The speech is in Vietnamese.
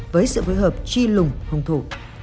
với sự phối hợp chi lùng hùng thủ